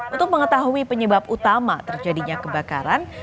untuk mengetahui penyebab utama terjadinya kebakaran